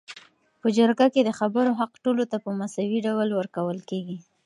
په جرګه کي د خبرو حق ټولو ته په مساوي ډول ورکول کيږي